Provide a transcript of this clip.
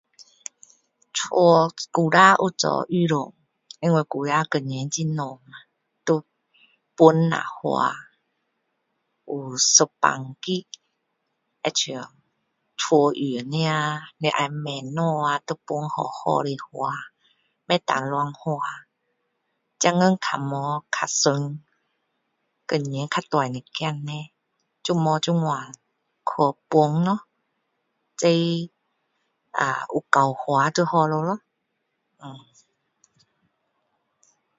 家以前有做预算因为以前工钱很小要分下花有几个是就像家用的啊你要买东西要分好好的花不能乱花现今较没较松工钱较大一点叻就没这样去分咯随啊有够花就好了咯呃